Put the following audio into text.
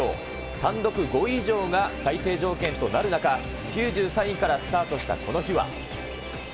単独５位以上が最低条件となる中、９３位からスタートしたこの日は。